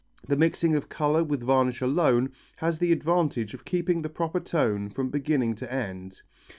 The mixing of colour with varnish alone has the advantage of keeping the proper tone from beginning to end.